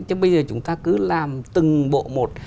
chứ bây giờ chúng ta cứ làm từng bộ một